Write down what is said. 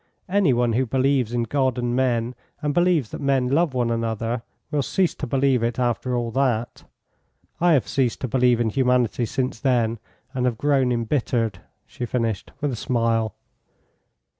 Any one who believes in God and men, and believes that men love one another, will cease to believe it after all that. I have ceased to believe in humanity since then, and have grown embittered," she finished, with a smile.